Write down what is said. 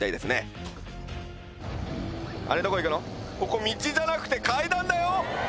ここ道じゃなくて階段だよ！